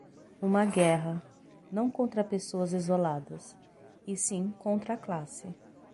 uma guerra, não contra pessoas isoladas, e sim contra a classe